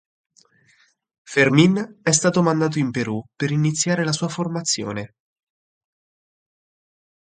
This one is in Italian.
Fermín è stato mandato in Perù per iniziare la sua formazione.